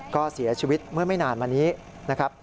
ก็เสียชีวิตเมื่อไม่นานมานี้นะครับ